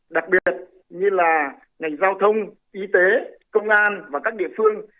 đặc biệt như là ngành giao thông y tế công an và các địa phương